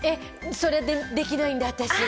それできないんだ私。